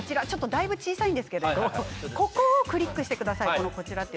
だいぶ小さいんですがここをクリックしてください。